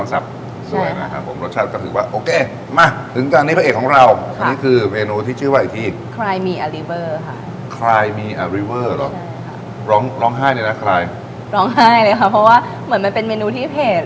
ร้องไห้เลยครับเพราะว่าเหมือนมันเป็นเมนูที่เผ็ด